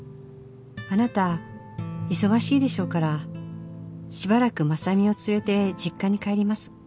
あなた忙しいでしょうからしばらく真実を連れて実家に帰ります」